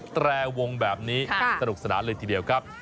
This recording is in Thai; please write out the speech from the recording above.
แตรวงแบบนี้สนุกสนานเลยทีเดียวครับ